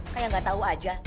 kayak gak tau aja